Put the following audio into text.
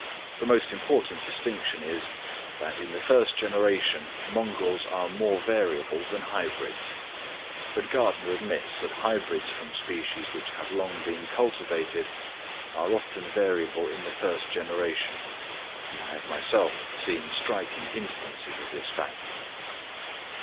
The most important distinction is, that in the first generation mongrels are more variable than hybrids; but Gärtner admits that hybrids from species which have long been cultivated are often variable in the first generation; and I have myself seen striking instances of this fact.